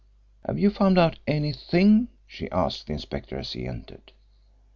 "Have you found out anything?" she asked the inspector as he entered.